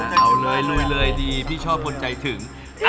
เอาเลยลุยเลยดีพี่ชอบคนใจถึง